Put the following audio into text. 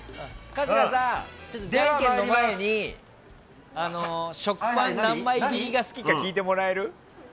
春日さん、じゃんけんの前に食パン何枚切りが好きか聞いてもらえる？